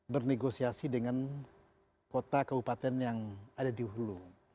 bernegosiasi dengan kota kabupaten yang ada di hulu